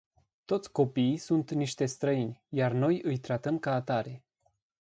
Toți copiii sunt niște străini. Iar noi îi tratăm ca atare.